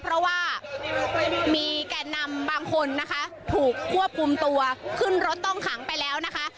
เพราะว่ามีแก่นำบางคนนะคะถูกควบคุมตัวขึ้นรถต้องขังไปแล้วนะคะ